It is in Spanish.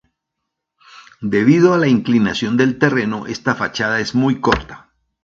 Debido a la inclinación del terreno, esta fachada es muy corta.